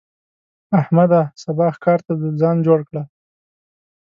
احمده! سبا ښکار ته ځو؛ ځان جوړ کړه.